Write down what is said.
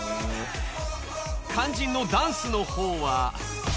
肝心のダンスのほうは。